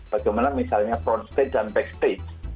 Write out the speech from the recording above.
bagaimana misalnya front stage dan backstage